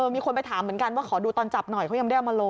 มีคนไปถามเหมือนกันว่าขอดูตอนจับหน่อยเขายังไม่ได้เอามาลง